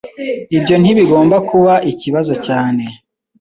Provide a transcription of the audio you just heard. Ibyo ntibigomba kuba ikibazo cyane.